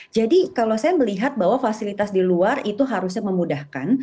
jadi kalau saya melihat bahwa fasilitas di luar itu harusnya memudahkan